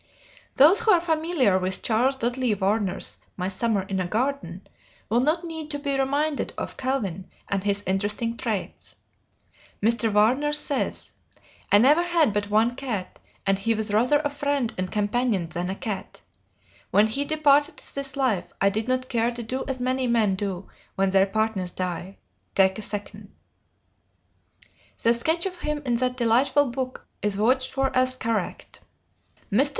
Those who are familiar with Charles Dudley Warner's "My Summer in a Garden" will not need to be reminded of Calvin and his interesting traits. Mr. Warner says: "I never had but one cat, and he was rather a friend and companion than a cat. When he departed this life I did not care to do as many men do when their partners die, take a 'second.'" The sketch of him in that delightful book is vouched for as correct. Mr.